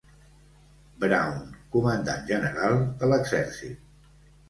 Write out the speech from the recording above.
Brown, Comandant General de l'Exèrcit.